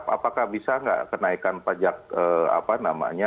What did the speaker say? apakah bisa nggak kenaikan pajak apa namanya